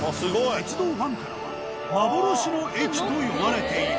鉄道ファンからは「幻の駅」と呼ばれている。